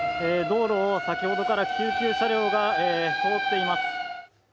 道路を先ほどから救急車両が通っています。